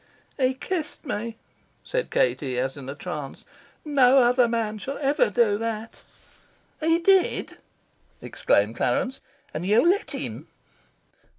"He kissed me," said Katie, as in a trance. "No other man shall ever do that." "He did?" exclaimed Clarence. "And you let him?"